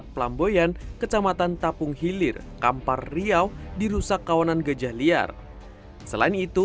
pelamboyan kecamatan tapung hilir kampar riau dirusak kawanan gajah liar selain itu